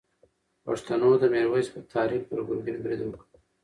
پښتنو د میرویس په تحریک پر ګرګین برید وکړ.